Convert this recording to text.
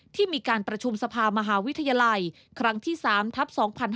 ที่มีการประชุมสภามหาวิทยาลัยครั้งที่๓ทัพ๒๕๕๙